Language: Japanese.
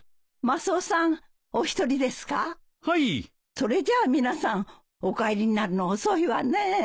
それじゃあ皆さんお帰りになるの遅いわね。